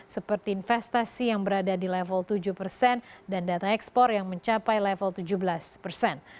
seperti investasi yang berada di level tujuh persen dan data ekspor yang mencapai level tujuh belas persen